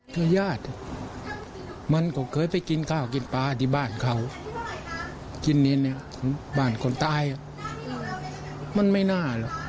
ถ้าญาติมันก็เคยไปกินข้าวกินปลาที่บ้านเขากินเนรบ้านคนตายมันไม่น่าหรอก